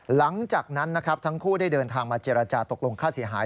หลังจากนั้นนะครับทั้งคู่ได้เดินทางมาเจรจาตกลงค่าเสียหาย